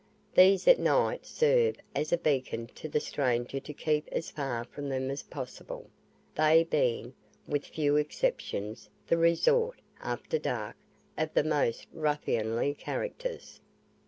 These at night serve as a beacon to the stranger to keep as far from them as possible, they being, with few exceptions, the resort, after dark, of the most ruffianly characters.